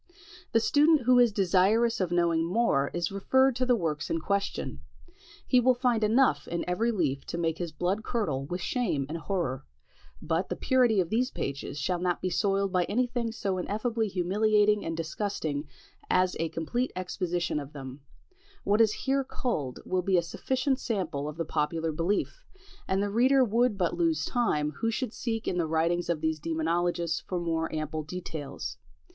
The student who is desirous of knowing more is referred to the works in question; he will find enough in every leaf to make his blood curdle with shame and horror: but the purity of these pages shall not be soiled by any thing so ineffably humiliating and disgusting as a complete exposition of them; what is here culled will be a sufficient sample of the popular belief, and the reader would but lose time who should seek in the writings of the demonologists for more ample details.